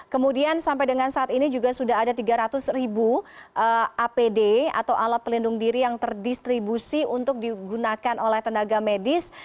kemudian sampai dengan saat ini juga sudah ada tiga ratus ribu apd atau alat pelindung diri yang terdistribusi untuk digunakan oleh tenaga medis